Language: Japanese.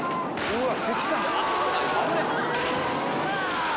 「うわ！」